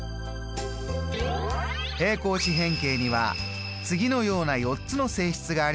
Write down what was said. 平行四辺形には次のような４つの性質があります。